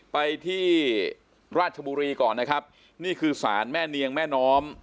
ไปที่ราชบุรีก่อนนะครับนี่คือสารแม่เนียงแม่น้อม